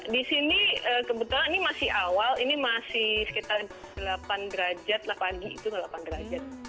di sini kebetulan ini masih awal ini masih sekitar delapan derajat lah pagi itu delapan derajat